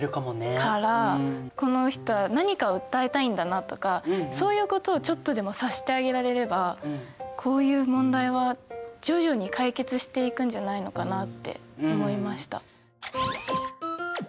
からこの人は何かを訴えたいんだなとかそういうことをちょっとでも察してあげられればこういう問題は徐々に解決していくんじゃないのかなって思いました。